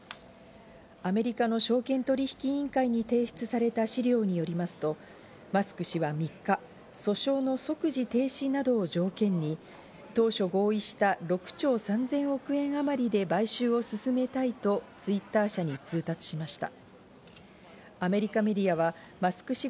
アメリカの証券取引委員会に提出された資料によりますと、マスク氏は３日、訴訟の即時停止などを条件に当初合意した６兆３０００億円あまりで買収を進めたいとＴｗｉｔｔｅｒ社に通達しました。